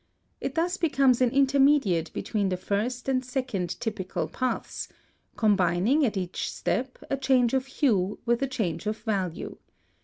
It thus becomes an intermediate between the first and second typical paths, combining, at each step, a change of hue with a change of value.